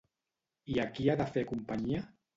I a qui ha de fer companyia?